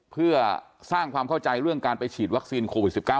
เพื่อสร้างความเข้าใจเรื่องการไปฉีดวัคซีนโควิด๑๙